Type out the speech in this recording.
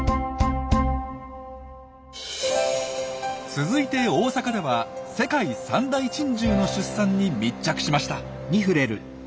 続いて大阪では世界三大珍獣の出産に密着しました！